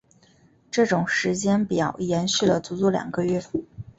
这种时间表延续了足足两个月。